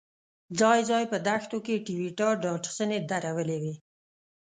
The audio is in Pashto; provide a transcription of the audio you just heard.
ځای ځای په دښتو کې ټویوټا ډاډسنې درولې وې.